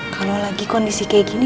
kalau lagi kondisi kayak gini